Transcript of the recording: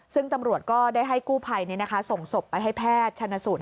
ซึ่งตำรวจก็ได้ให้กู้ภัยส่งศพไปให้แพทย์ชนสูตร